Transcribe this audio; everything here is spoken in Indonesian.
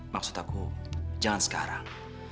maksud aku jangan sekarang